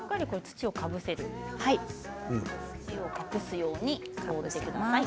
根っこを隠すように置いてください。